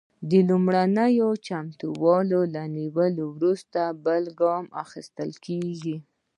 د لومړنیو چمتووالو له نیولو وروسته بل ګام اخیستل کیږي.